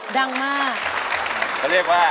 ดังมาก